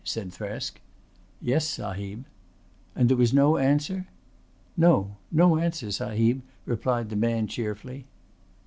said Thresk. "Yes, Sahib." "And there was no answer?" "No. No answer, Sahib," replied the man cheerfully.